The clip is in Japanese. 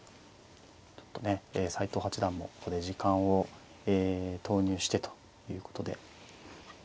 ちょっとね斎藤八段もここで時間を投入してということで。